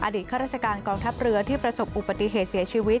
ข้าราชการกองทัพเรือที่ประสบอุบัติเหตุเสียชีวิต